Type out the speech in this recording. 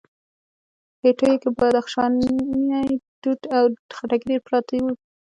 هټيو کې بدخشانی توت او خټکي ډېر پراته وو.